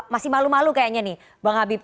masih malu malu kayaknya nih bang habib